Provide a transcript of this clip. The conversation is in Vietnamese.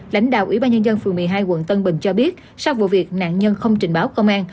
lãnh đạo ủy ban nhân dân phường một mươi hai quận tân bình cho biết sau vụ việc nạn nhân không trình báo công an